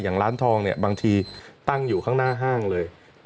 ร้านทองบางทีตั้งอยู่ข้างหน้าห้างเลย